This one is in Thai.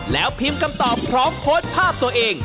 แล้วพิมพ์คำตอบพร้อมโพสต์ภาพตัวเอง